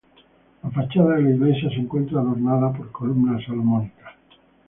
La fachada de la iglesia se encuentra adornada por columnas salomónicas.